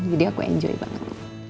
jadi aku enjoy banget